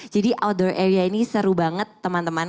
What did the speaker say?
jadi outdoor area ini seru banget teman teman